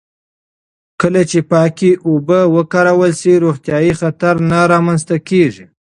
کله چې پاکې اوبه وکارول شي، روغتیايي خطر نه رامنځته کېږي.